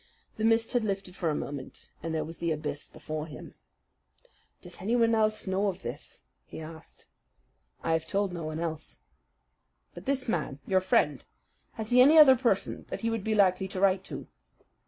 The mist had lifted for a moment, and there was the abyss before him. "Does anyone else know of this?" he asked. "I have told no one else." "But this man your friend has he any other person that he would be likely to write to?"